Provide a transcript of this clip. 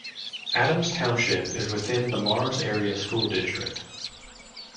Adams Township is within the Mars Area School District.